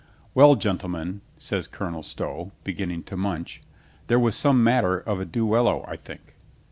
"Well, gentlemen," says Colonel Stow, beginning to munch, "there was some matter of a duello, I think.